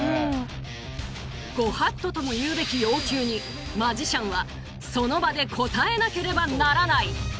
ご法度ともいうべき要求にマジシャンはその場で応えなければならない。